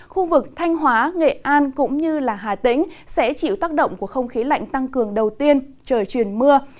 khu vực thanh hóa nghệ an cũng như hà tĩnh sẽ chịu tác động của không khí lạnh tăng cường đầu tiên trời chuyển mưa